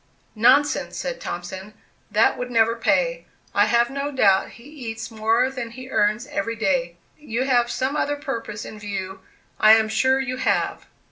"Nonsense," said Thompson "that would never pay; I have no doubt he eats more than he earns every day; you have some other purpose in view, I am sure you have."